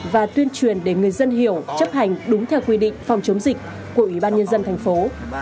và tuyên truyền để người dân hiểu chấp hành đúng theo quy định phòng chống dịch của ủy ban nhân dân thành phố